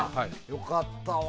良かったわ。